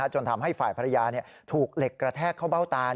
จนทำให้ฝ่ายภรรยาถูกเหล็กกระแทกเข้าเบ้าตา